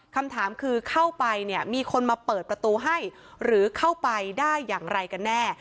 คำถามคือเข้าไปเนี่ยมีคนมาเปิดประตูให้หรือเข้าไปได้อย่างไรกันแน่